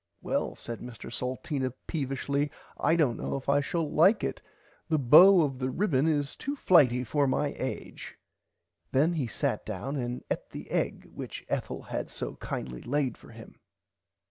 Well said Mr Salteena peevishly I dont know if I shall like it the bow of the ribbon is too flighty for my age. Then he sat down and eat the egg which Ethel had so kindly laid for him.